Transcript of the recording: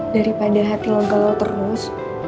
daripada hati lo gelau terus